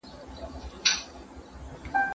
مرکو به ماته ډېره انګېزه راکوله.